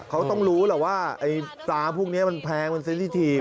เขาต้องรู้แหละว่าปลาพวกนี้มันแพงมันซิสิทีฟ